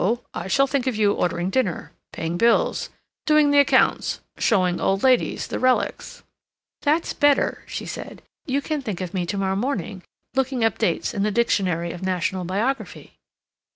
I shall think of you ordering dinner, paying bills, doing the accounts, showing old ladies the relics—" "That's better," she said. "You can think of me to morrow morning looking up dates in the 'Dictionary of National Biography.